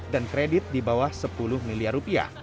dan kredit di bawah rp sepuluh miliar